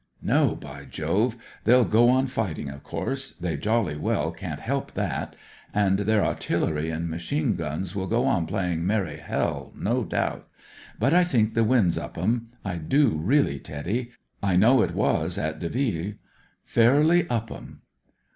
" No, by Jove I They'll go on fighting, of course. They jolly well can't help that. And their a'tillery and machine guns will go on playing merry hell, no doubt ; but I think the wind's up 'em ; I do really, Teddy. I know it was at Delville ; fairly up 'em."